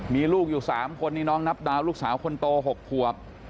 มีลูกอยู่๓คนนี่น้องนับดาวลูกสาวคนโต๖ขวบ